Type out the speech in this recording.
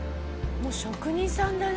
もう職人さんだね。